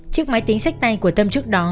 chiếc máy tính sách tay của tâm trước đó